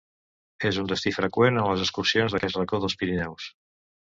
És un destí freqüent en les excursions d'aquest racó dels Pirineus.